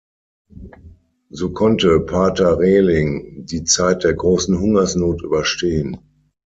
So konnte Pater Rehling die Zeit der großen Hungersnot überstehen.